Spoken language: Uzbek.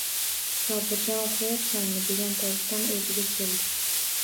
Sobirjon, uxlayapsanmi? – degan tovushdan oʻziga keldi.